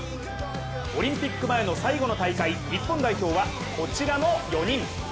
オリンピック前の最後の大会、日本代表はこちらの４人。